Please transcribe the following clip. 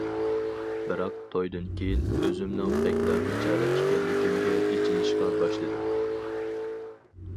بىراق، تويدىن كېيىن ئۆزۈمنىڭ بەكلا بىچارە ئىكەنلىكىمگە ئېچىنىشقا باشلىدىم.